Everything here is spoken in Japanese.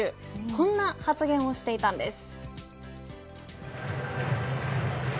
こんな発言をしていたんです。